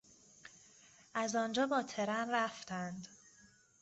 از آنجا با ترن رفتند.